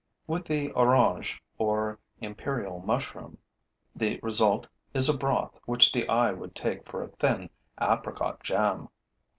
With the oronge, or imperial mushroom, the result is a broth which the eye would take for a thin apricot jam.